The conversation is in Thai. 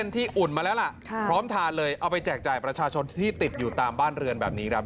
ที่อุ่นมาแล้วล่ะพร้อมทานเลยเอาไปแจกจ่ายประชาชนที่ติดอยู่ตามบ้านเรือนแบบนี้ครับ